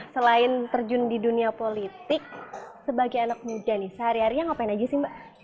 selain terjun di dunia politik sebagai anak muda nih sehari harinya ngapain aja sih mbak